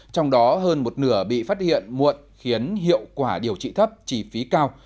trong đó hơn một nửa bị phát hiện muộn khiến hiệu quả điều trị thấp chi phí cao